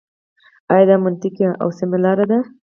آيـا دا مـنطـقـي او سـمـه لاره ده.